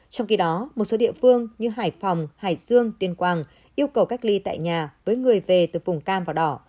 trong khi đó một số địa phương như hải phòng hải dương tuyên quang yêu cầu cách ly tại nhà với người về từ vùng cam và đỏ